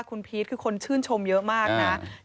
คุณพีชคือคนชื่นชมเยอะมากนะ